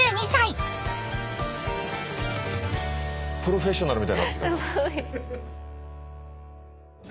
「プロフェッショナル」みたいになってきたな。